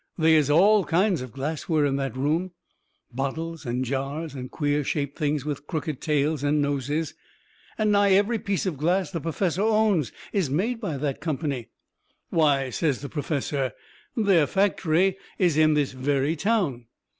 They is all kinds of glassware in that room bottles and jars and queer shaped things with crooked tails and noses and nigh every piece of glass the perfessor owns is made by that company. "Why," says the perfessor, "their factory is in this very town."